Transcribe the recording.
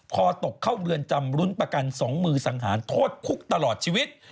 คอตกเข้าเรือนจำรุ้นประกัน๒มือสังหารโทษคุกตลอดชีวิต